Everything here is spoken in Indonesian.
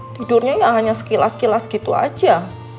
tidurnya ya hanya sekilas sekilas gitu aja